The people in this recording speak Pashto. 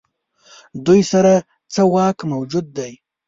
دوی سره څه واک موجود دی.